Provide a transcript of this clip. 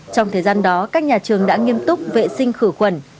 trong thời gian đó các nhà trường đã nghiêm túc vệ sinh khử khuẩn